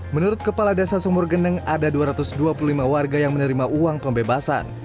menurut kepala desa sumur geneng ada dua ratus dua puluh lima warga yang menerima uang pembebasan